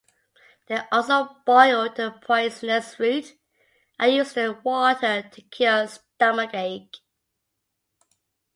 They also boiled the poisonous root, and used the water to cure stomach aches.